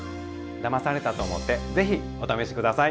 だまされたと思ってぜひお試し下さい。